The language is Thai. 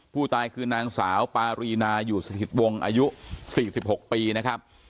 ผู้ตายคือนางสาวปารีนาอยู่สถิตวงศ์อายุ๔๖ปีนะครับ